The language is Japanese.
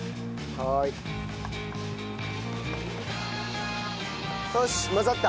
はーい。よし混ざった。